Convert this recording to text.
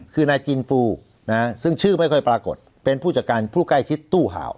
คือนายจินฟูซึ่งชื่อไม่ค่อยปรากฏเป็นผู้จัดการผู้ใกล้ชิดตู้ห่าว